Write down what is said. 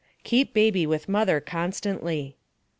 Keep baby with mother constantly.